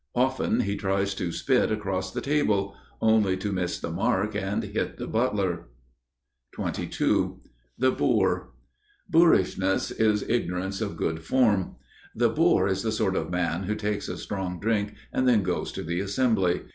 Often he tries to spit across the table,—only to miss the mark and hit the butler. XXII The Boor (Ἀγροικία) Boorishness is ignorance of good form. The boor is the sort of man who takes a strong drink and then goes to the Assembly.